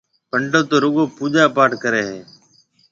پنڊِيت تو رُگو پوجا پاٽ ڪريَ هيَ۔